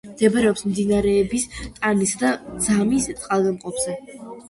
მდებარეობს მდინარეების ტანისა და ძამის წყალგამყოფზე.